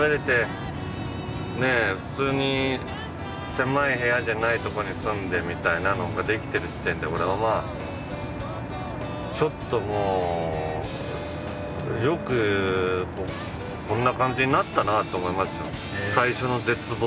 普通に狭い部屋じゃない所に住んでみたいなのができてる時点で俺はまあちょっともうよくこんな感じになったなと思いますよ。